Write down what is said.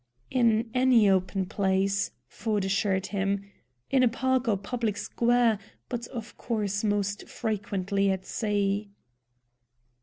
"In any open place," Ford assured him. "In a park or public square, but of course most frequently at sea."